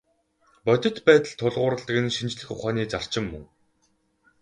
Бодит байдалд тулгуурладаг нь шинжлэх ухааны зарчим мөн.